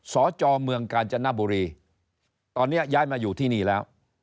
สจเมืองกาญจนบุรีตอนนี้ย้ายมาอยู่ที่นี่แล้ว